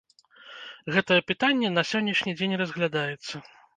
Гэтае пытанне на сённяшні дзень разглядаецца.